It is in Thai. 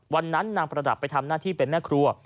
วันนั้นนางประดับไปทำหน้าที่เป็นแม่ครัว